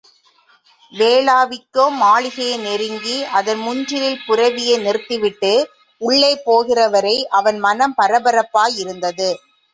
வேளாவிக்கோ மாளிகையை நெருங்கி அதன் முன்றிலில் புரவியை நிறுத்திவிட்டு உள்ளே போகிறவரை அவன் மனம் பரபரப்பாயிருந்தது.